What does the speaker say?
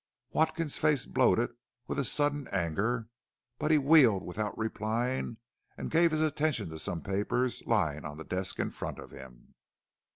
Watkins's face bloated with a sudden anger, but he wheeled without replying and gave his attention to some papers lying on the desk in front of him.